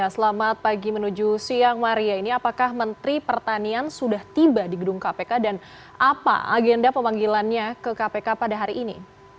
selamat pagi menuju siang maria ini apakah menteri pertanian sudah tiba di gedung kpk dan apa agenda pemanggilannya ke kpk pada hari ini